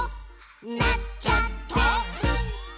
「なっちゃった！」